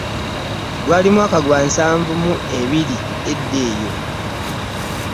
Gwali mwaka gwa nsanvu mu ebiri edda eyo.